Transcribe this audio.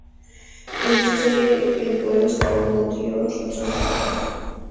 Le gusta ir en cueros como Dios la trajo al mundo